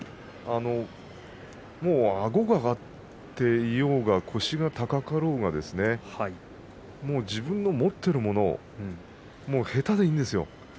もう、あごが上がっていようが腰が高かろうが自分の持っているもの下手でいいんですよ。